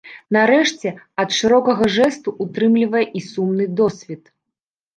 Нарэшце, ад шырокага жэсту ўтрымлівае і сумны досвед.